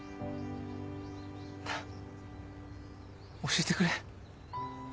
なあ教えてくれ。